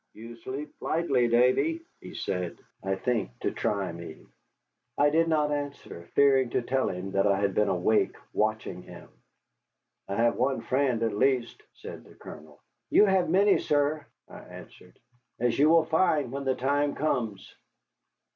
"You sleep lightly, Davy," he said, I think to try me. I did not answer, fearing to tell him that I had been awake watching him. "I have one friend, at least," said the Colonel. "You have many, sir," I answered, "as you will find when the time comes."